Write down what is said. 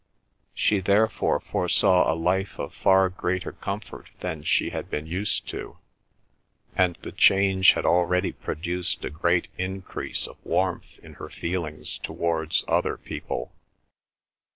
She therefore foresaw a life of far greater comfort than she had been used to, and the change had already produced a great increase of warmth in her feelings towards other people.